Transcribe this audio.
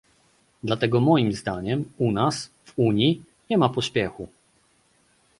Dlatego moim zdaniem, u nas, w Unii, nie ma pośpiechu